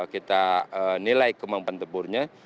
kita nilai kemampuan tempurnya